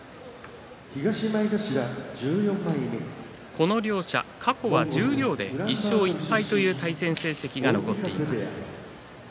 この両者、過去は十両で１勝１敗という対戦成績が残っています。